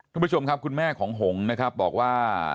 คุณผู้ชมครับคุณแม่ของหงษ์นะครับบอกว่า